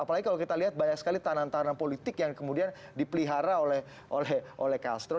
apalagi kalau kita lihat banyak sekali tanam tanam politik yang kemudian dipelihara oleh castro